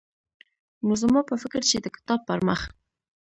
نو زما په فکر چې د کتاب پرمخ